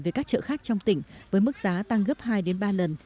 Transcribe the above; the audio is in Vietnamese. về các chợ khác trong tỉnh với mức giá tăng gấp hai đến ba lần